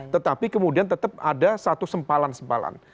tetapi kemudian tetap ada satu sempalan sempalan